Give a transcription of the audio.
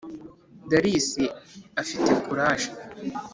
darisi afite kuraje